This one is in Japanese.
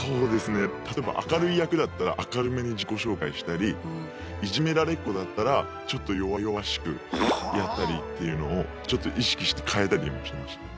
例えば明るい役だったら明るめに自己紹介したりいじめられっ子だったらちょっと弱々しくやったりっていうのをちょっと意識して変えたりもしました。